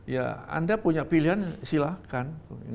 ya anda punya pilihan silahkan